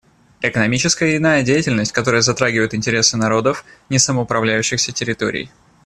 Экономическая и иная деятельность, которая затрагивает интересы народов несамоуправляющихся территорий.